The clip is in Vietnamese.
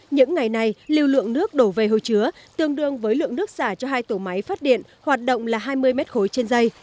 những ngày này lưu lượng nước đổ về hồ chứa tương đương với lượng nước xả cho hai tổ máy phát điện hoạt động là hai mươi m ba trên dây